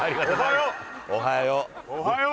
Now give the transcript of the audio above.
おはよう。